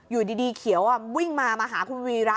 อยู่ดีเขียววิ่งมามาหาคุณวีระ